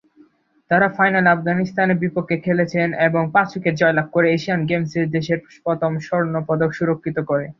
তারা ফাইনালে আফগানিস্তানের বিপক্ষে খেলেছেন এবং পাঁচ উইকেটে জয়লাভ করে, এশিয়ান গেমস এ দেশের প্রথম স্বর্ণ পদক সুরক্ষিত করে।